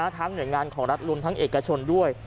ทั้งเหนืองานของรัฐลุนทั้งเอกชน